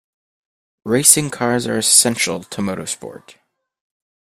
Racing cars are essential to motorsport